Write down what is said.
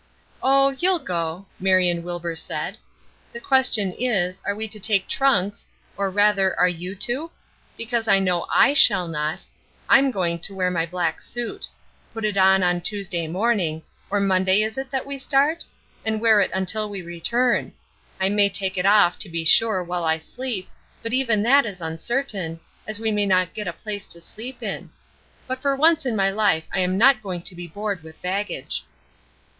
"Oh, you'll go," Marion Wilbur said. "The question is, are we to take trunks or, rather, are you to? because I know I shall not. I'm going to wear my black suit. Put it on on Tuesday morning, or Monday is it that we start? and wear it until we return. I may take it off, to be sure, while I sleep, but even that is uncertain, as we may not get a place to sleep in; but for once in my life I am not going to be bored with baggage."